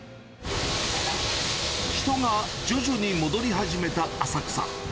人が徐々に戻り始めた浅草。